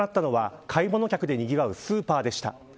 現場となったのは買い物客でにぎわうスーパーでした。